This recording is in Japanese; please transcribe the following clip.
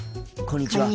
こんにちは。